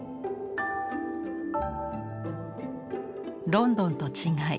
ロンドンと違い